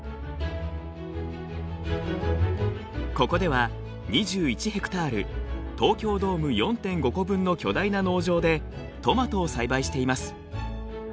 ここでは２１ヘクタール東京ドーム４．５個分の巨大な農場でトマトを栽培しています。